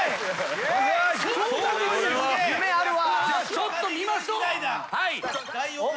ちょっと見ましょう。